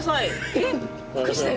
えっ？びっくりした。